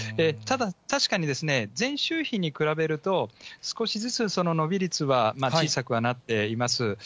ただ、確かに前週比に比べると、少しずつ伸び率は小さくはなっています。